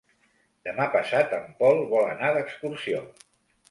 Demà passat en Pol vol anar d'excursió.